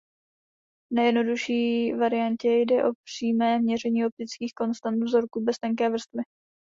V nejjednodušší variantě jde o přímé měření optických konstant vzorku bez tenké vrstvy.